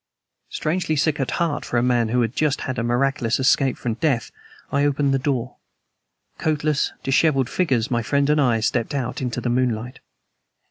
Strangely sick at heart for a man who has just had a miraculous escape from death, I opened the door. Coatless, disheveled figures, my friend and I stepped out into the moonlight.